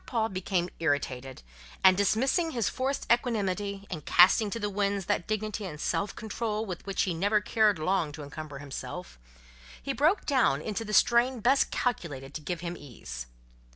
Paul became irritated, and dismissing his forced equanimity, and casting to the winds that dignity and self control with which he never cared long to encumber himself, he broke forth into the strain best calculated to give him ease.